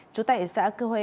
chủ tải xã cư huê